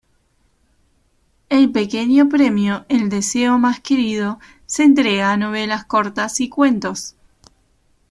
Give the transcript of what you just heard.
El "Pequeño Premio El deseo más querido" se entrega a novelas cortas y cuentos.